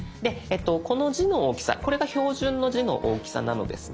この字の大きさこれが標準の字の大きさなのですが。